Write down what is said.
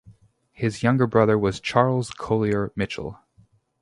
His younger brother was Charles Collier Michell.